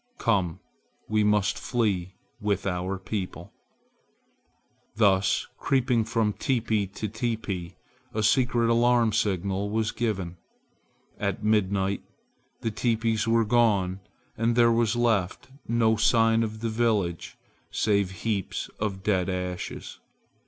Come, we must flee with our people." Thus creeping from teepee to teepee a secret alarm signal was given. At midnight the teepees were gone and there was left no sign of the village save heaps of dead ashes.